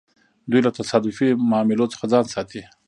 دوی له تصادفي معاملو څخه ځان ساتي.